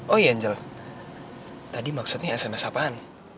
oi angel tadi maksudnya sms apaan